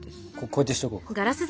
こうやってしとこうか。